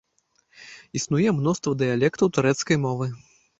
Існуе мноства дыялектаў турэцкай мовы.